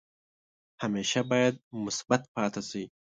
همیشه باید مثبت پاتې شئ.